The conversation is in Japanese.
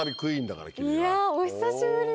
いやお久しぶりで。